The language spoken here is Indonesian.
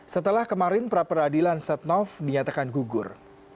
setelah kemarin praperadilan satnov dinyatakan gugur